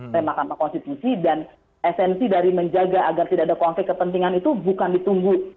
remakan perkonstitusi dan esensi dari menjaga agar tidak ada konflik kepentingan itu bukan ditunggu